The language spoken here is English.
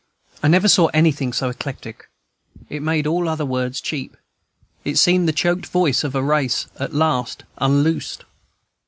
I never saw anything so electric; it made all other words cheap; it seemed the choked voice of a race at last unloosed.